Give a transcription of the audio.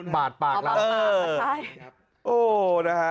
อ๋อบาดปากค่ะใช่